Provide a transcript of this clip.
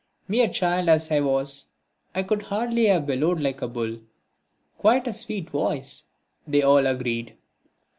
Mere child as I was I could hardly have bellowed like a bull. "Quite a sweet voice," they all agreed.